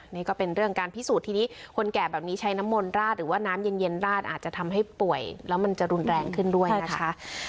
นี่ก็เป็นเรื่องการพิสูจน์ทีนี้คนแก่แบบนี้ใช้น้ำมนต์ราดหรือว่าน้ำเย็นราดอาจจะทำให้ป่วยแล้วมันจะรุนแรงขึ้นด้วยนะคะ